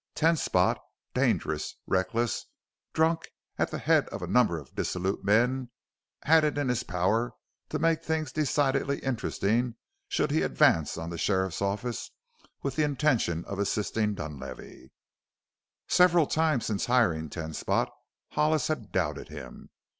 Ten Spot dangerous, reckless, drunk, at the head of a number of dissolute men, had it in his power to make things decidedly interesting should he advance on the sheriff's office with the intention of assisting Dunlavey. Several times since hiring Ten Spot Hollis had doubted him.